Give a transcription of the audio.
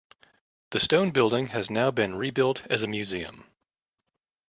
The stone building has now been re-built as a museum.